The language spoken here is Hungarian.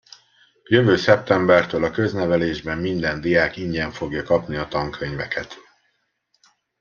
Jövő szeptembertől a köznevelésben minden diák ingyen fogja kapni a tankönyveket-